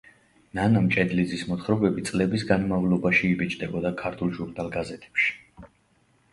ნანა მჭედლიძის მოთხრობები წლების განმავლობაში იბეჭდებოდა ქართულ ჟურნალ–გაზეთებში.